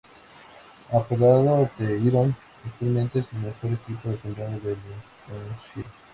Apodado The Iron, actualmente es el mejor equipo del condado de Lincolnshire.